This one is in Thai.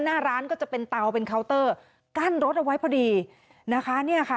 หน้าร้านก็จะเป็นเตาเป็นเคาน์เตอร์กั้นรถเอาไว้พอดีนะคะเนี่ยค่ะ